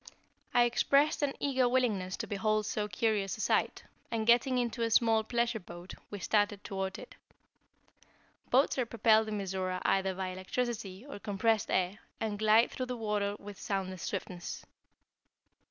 I expressed an eager willingness to behold so curious a sight, and getting into a small pleasure boat, we started toward it. Boats are propelled in Mizora either by electricity or compressed air, and glide through the water with soundless swiftness.